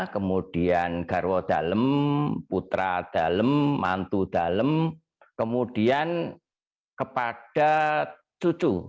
kemudian garwo dalem putra dalem mantu dalem kemudian kepada cucu